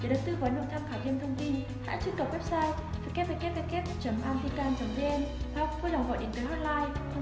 để được tư quán được tham khảo thêm thông tin hãy truy cập website www lentica vn